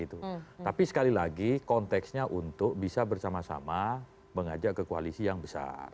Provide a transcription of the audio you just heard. tapi sekali lagi konteksnya untuk bisa bersama sama mengajak ke koalisi yang besar